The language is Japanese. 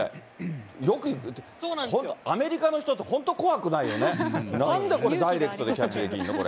よく本当、アメリカの人って本当怖くないよね、なんで、これダイレクトでキャッチできるの？